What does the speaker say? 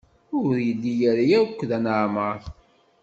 Ur yelli ara akk d anamar.